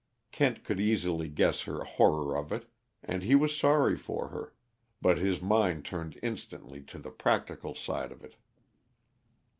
Kent could easily guess her horror of it, and he was sorry for her. But his mind turned instantly to the practical side of it.